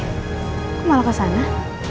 kok malah kesana